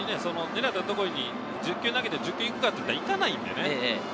狙った所に１０球投げて１０球いくかっていったら、いかないんでね。